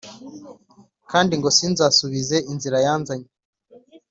kandi ngo sinzasubize inzira yanzanye”